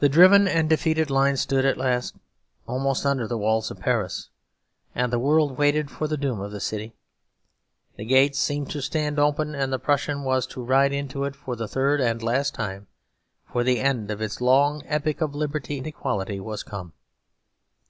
The driven and defeated line stood at last almost under the walls of Paris; and the world waited for the doom of the city. The gates seemed to stand open; and the Prussian was to ride into it for the third and the last time: for the end of its long epic of liberty and equality was come.